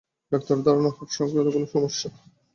ডাক্তারের ধারণা, হার্ট সংক্রান্ত কোনো সমস্যা।